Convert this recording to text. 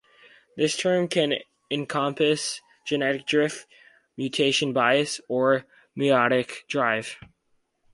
This term can encompass genetic drift, mutation bias, or meiotic drive.